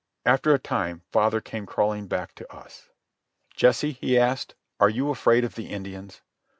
After a time father came crawling back to us. "Jesse," he asked, "are you afraid of the Indians?"